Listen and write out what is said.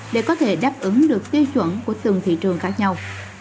để có thể đáp ứng được tiêu chuẩn của từng thị trường khác nhau